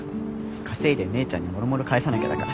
稼いで姉ちゃんにもろもろ返さなきゃだから。